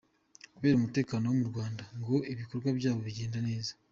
Kubera umutekano wo mu Rwanda, ngo ibikorwa byabo bigenda neza.